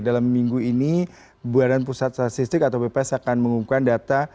dalam minggu ini badan pusat statistik atau bps akan mengumumkan data